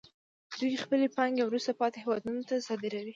دوی خپلې پانګې وروسته پاتې هېوادونو ته صادروي